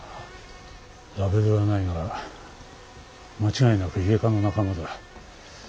ラベルはないが間違いなくイエカの仲間だ。